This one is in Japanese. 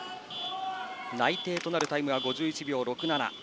内定タイムは５１秒６７。